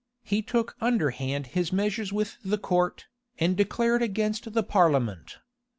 He took underhand his measures with the court, and declared against the parliament.